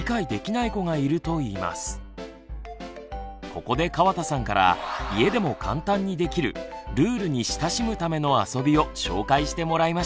ここで川田さんから家でも簡単にできるルールに親しむための遊びを紹介してもらいました。